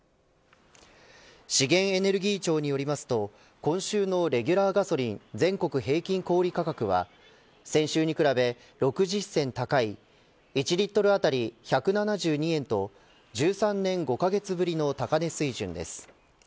資源エネルギー庁によりますと今週のレギュラーガソリン全国平均小売り価格は先週に比べ６０銭高い１リットル当たり１７２円と１３年５カ月ぶりの高値水準です。